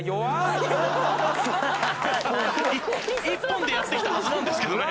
１本でやってきたはずなんですけどね。